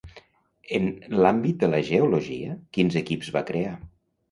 En l'àmbit de la geologia, quins equips va crear?